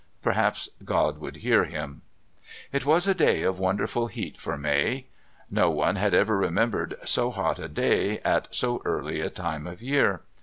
Perhaps God would hear him. It was a day of wonderful heat for May. No one had ever remembered so hot a day at so early a time of year.